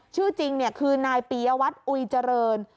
ชื่อจริงคือนายปียวัตรอุยเจริญ